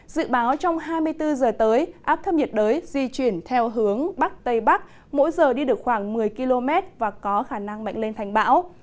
dự báo trong hai mươi bốn giờ tới áp thấp nhiệt đới di chuyển theo hướng bắc tây bắc mỗi giờ đi được khoảng một mươi km và có khả năng mạnh lên thành bão